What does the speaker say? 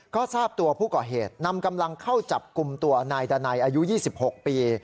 ก็ทราบตัวผู้ก่อเหตุนำกำลังเข้าจับกลุ่มตัวนายดานัยอายุ๒๖ปี